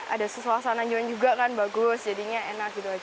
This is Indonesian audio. ada suasana joy juga kan bagus jadinya enak gitu aja